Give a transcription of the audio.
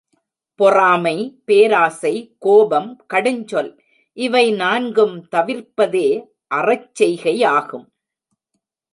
பொறாமை, பேராசை, கோபம், கடுஞ்சொல் இவை நான்கும் தவிர்ப்பதே அறச்செய்கையாகும்.